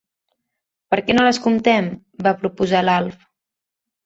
Per què no les comptem? —va proposar l'Alf.